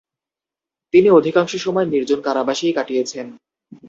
তিনি অধিকাংশ সময় নির্জন কারাবাসেই কাটিয়েছেন।